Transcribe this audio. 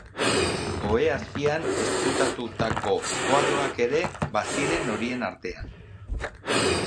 Ohe azpian ezkutatutako kuadroak ere baziren horien artean.